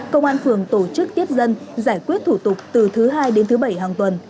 công an phường tổ chức tiếp dân giải quyết thủ tục từ thứ hai đến thứ bảy hàng tuần